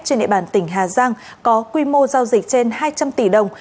trên địa bàn tỉnh hà giang có quy mô giao dịch trên hai trăm linh tỷ đồng